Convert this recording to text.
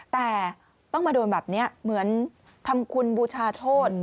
แต่ต้องมาโดนแบบนี้เหมือนทำคุณบูชาโทษ